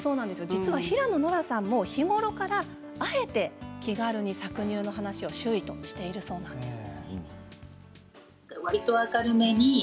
実は平野ノラさんも日頃からあえて気軽に搾乳の話を周囲としているそうなんです。